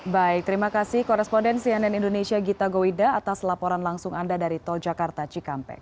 baik terima kasih koresponden cnn indonesia gita goida atas laporan langsung anda dari tol jakarta cikampek